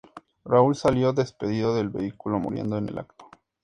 Raúl salió despedido del vehículo muriendo en el acto.